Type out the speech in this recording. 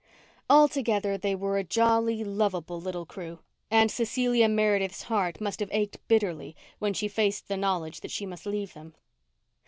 Altogether they were a jolly, lovable little crew, and Cecilia Meredith's heart must have ached bitterly when she faced the knowledge that she must leave them.